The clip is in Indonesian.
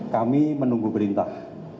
kami menunggu perintah